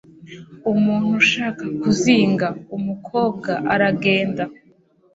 Umuntu ushaka kuzinga umukobwa aragenda,